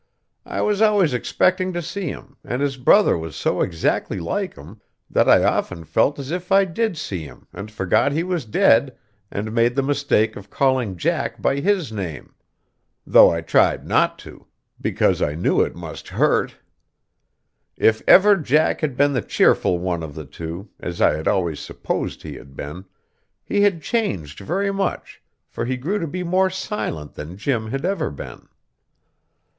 I was always expecting to see him, and his brother was so exactly like him that I often felt as if I did see him and forgot he was dead, and made the mistake of calling Jack by his name; though I tried not to, because I knew it must hurt. If ever Jack had been the cheerful one of the two, as I had always supposed he had been, he had changed very much, for he grew to be more silent than Jim had ever been.